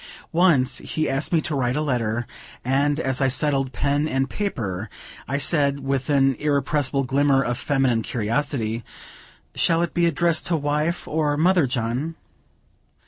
Once he asked me to write a letter, and as I settled pen and paper, I said, with an irrepressible glimmer of feminine curiosity, "Shall it be addressed to wife, or mother, John?"